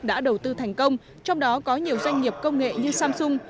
đã đầu tư thành công trong đó có nhiều doanh nghiệp công nghệ như samsung